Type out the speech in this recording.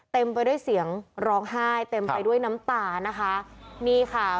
เต็มไปด้วยเสียงร้องไห้เต็มไปด้วยน้ำตานะคะนี่ค่ะ